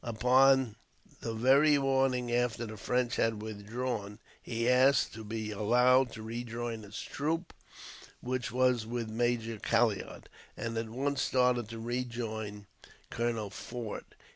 Upon the very morning after the French had withdrawn, he asked to be allowed to rejoin his troop, which was with Major Calliaud, and at once started to rejoin Colonel Forde.